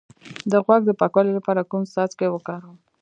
د غوږ د پاکوالي لپاره کوم څاڅکي وکاروم؟